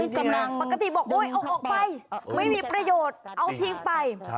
กำลังปกติบอกโอ๊ยเอาออกไปไม่มีประโยชน์เอาทิ้งไป